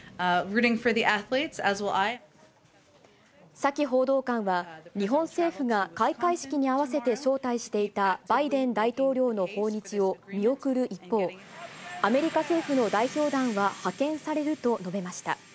サキ報道官は、日本政府が開会式に合わせて招待していたバイデン大統領の訪日を見送る一方、アメリカ政府の代表団は派遣されると述べました。